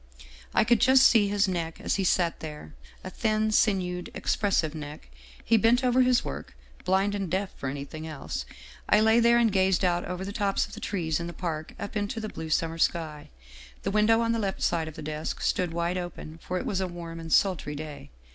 I could just see his neck as he sat there, a thin sinewed, expressive neck. He bent over his work, blind and deaf for anything else. I lay there and gazed out over the tops of the trees in the park up into the blue summer sky. The window on the left side of the desk stood wide open, for it was a warm and sultry day.